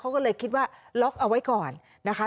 เขาก็เลยคิดว่าล็อกเอาไว้ก่อนนะคะ